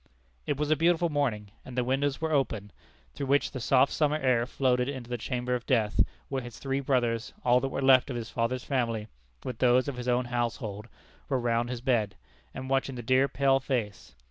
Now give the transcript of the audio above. It was a beautiful morning, and the windows were open, through which the soft summer air floated into the chamber of death, where his three brothers, all that were left of his father's family, with those of his own household, were round his bed, watching the dear pale face.